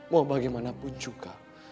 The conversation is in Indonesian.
mau bagaimanapun juga